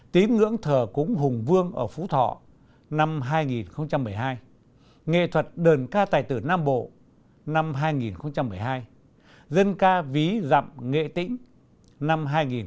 tín ngưỡng thờ cúng hùng vương ở phú thọ năm hai nghìn một mươi hai nghệ thuật đờn ca tài tử nam bộ năm hai nghìn một mươi hai dân ca ví dặm nghệ tĩnh năm hai nghìn một mươi